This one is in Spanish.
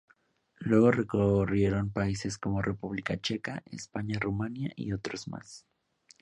Luego recorrieron países como República Checa, España, Rumania y otros más.